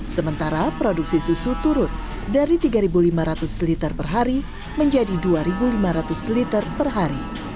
sementara produksi susu turun dari tiga lima ratus liter per hari menjadi dua lima ratus liter per hari